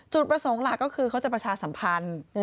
ประสงค์หลักก็คือเขาจะประชาสัมพันธ์